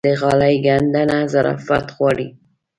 د غالۍ ګنډنه ظرافت غواړي.